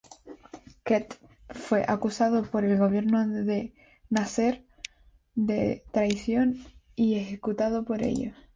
Qutb fue acusado por el gobierno de Nasser de traición y ejecutado por ello.